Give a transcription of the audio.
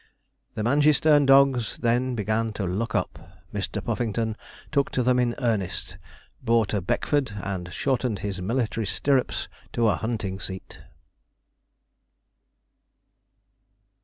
The 'Mangeysterne dogs' then began to 'look up'; Mr. Puffington took to them in earnest; bought a 'Beckford,' and shortened his military stirrups to a hunting seat.